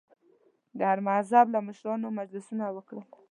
د هر مذهب له مشرانو مجلسونه وکړل.